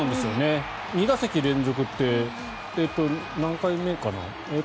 ２打席連続って何回目かな？